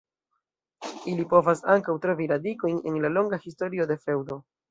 Ili povas ankaŭ trovi radikojn en la longa historio de feŭdo.